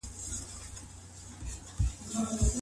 ايا د واده لپاره يوازي شتمني کافي ده؟